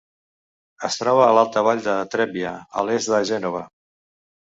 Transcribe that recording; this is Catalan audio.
Es troba a l'alta vall del Trebbia, a l'est de Gènova.